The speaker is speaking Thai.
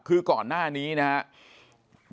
คือก่อนหน้านี้นะครับ